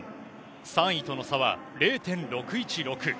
３位との差は０．６１６。